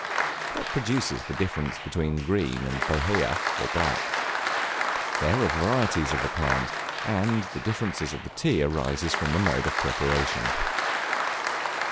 What produces the difference between Green and Bohea, or Black? There are varieties of the plant, and the difference of the tea arises from the mode of preparation.